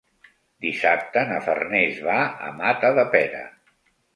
Dissabte na Farners va a Matadepera.